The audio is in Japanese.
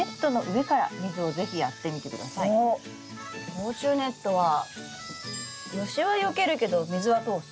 防虫ネットは虫はよけるけど水は通す。